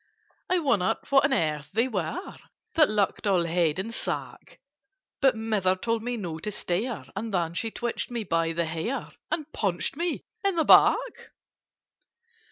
"I wondered what on earth they were, That looked all head and sack; But Mother told me not to stare, And then she twitched me by the hair, And punched me in the back.